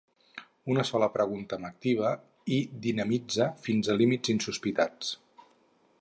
Una sola pregunta m'activa i dinamitza fins a límits insospitats.